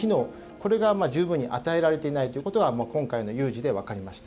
これが十分に与えられていないということが今回の有事で分かりました。